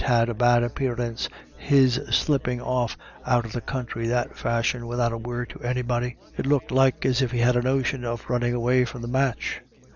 21 1 had a bad appearance, his slipping off out of the country that fashion, without a word to anybody ; it looked like as if he had a notion of running away from the match.